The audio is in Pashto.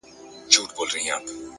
علم د انسان ذهن روښانه کوي,